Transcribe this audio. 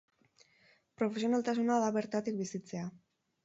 Profesionaltasuna da bertatik bizitzea.